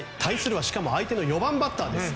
はしかも相手の４番バッターです。